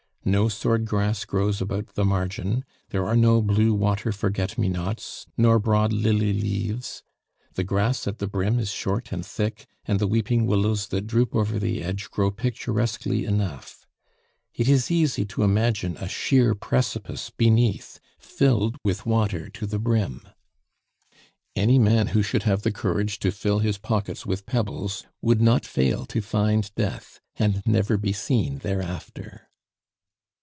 No sword grass grows about the margin; there are no blue water forget me nots, nor broad lily leaves; the grass at the brim is short and thick, and the weeping willows that droop over the edge grow picturesquely enough. It is easy to imagine a sheer precipice beneath filled with water to the brim. Any man who should have the courage to fill his pockets with pebbles would not fail to find death, and never be seen thereafter.